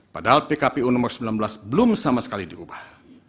padahal pkpu nomor sembilan belas belum sama sekali diubah